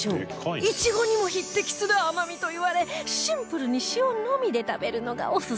いちごにも匹敵する甘みといわれシンプルに塩のみで食べるのがオススメだそうです